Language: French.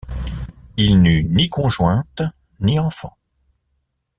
Il n'eut ni conjointe, ni enfant.